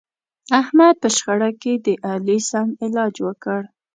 احمد په شخړه کې د علي سم علاج وکړ.